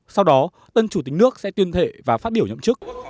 sau đó tân chủ tịch nước sẽ tuyên thệ và phát biểu nhậm chức